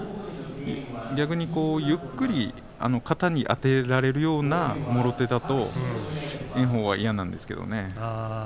逆にゆっくり肩にあてられるような、もろ手だと炎鵬は嫌なんですけどね。